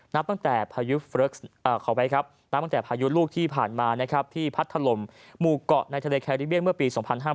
นับตั้งแต่พายุลูกที่ผ่านมาที่พัดถลมมูกเกาะในทะเลแคริเบียงเมื่อปี๒๕๕๐